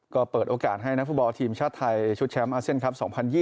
ก็เปิดโอกาสให้นักฟุตบอลทีมชาติไทยชุดแชมป์อาเซียนครับ๒๐๒๐